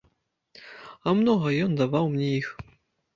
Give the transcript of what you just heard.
А многа ён даваў мне іх?